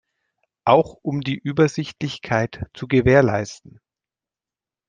Auch um die Übersichtlichkeit zu gewährleisten.